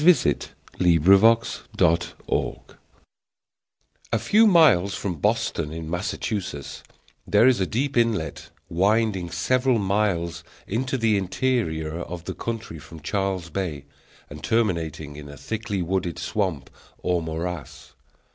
] Washington Irving (1783 1859) A few miles from Boston, in Massachusetts, there is a deep inlet winding several miles into the interior of the country from Charles Bay, and terminating in a thickly wooded swamp or morass.